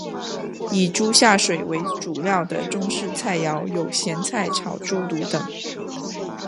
以猪下水为主料的中式菜肴有咸菜炒猪肚等。